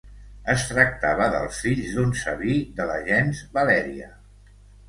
Es tractava dels fills d'un sabí de la gens Valèria.